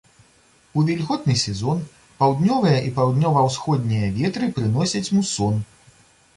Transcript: У вільготны сезон паўднёвыя і паўднёва-ўсходнія ветры прыносяць мусон.